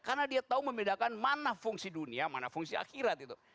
karena dia tahu membedakan mana fungsi dunia mana fungsi akhirat gitu